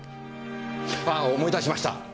ああ思い出しました！